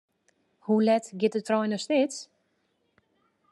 Hoe let giet de trein nei Snits?